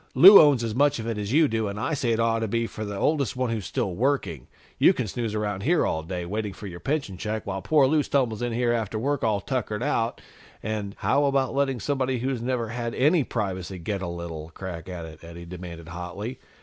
"Lou owns as much of it as you do, and I say it ought to be for the oldest one who's still working. You can snooze around here all day, waiting for your pension check, while poor Lou stumbles in here after work, all tuckered out, and " "How about letting somebody who's never had any privacy get a little crack at it?" Eddie demanded hotly.